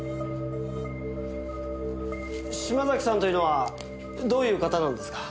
島崎さんというのはどういう方なんですか？